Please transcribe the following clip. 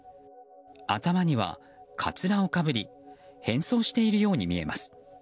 頭にはかつらをかぶり変装しているように見えます。